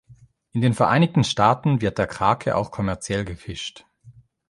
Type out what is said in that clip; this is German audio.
In den Vereinigten Staaten wird der Krake auch kommerziell gefischt.